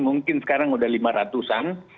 mungkin sekarang sudah lima ratus an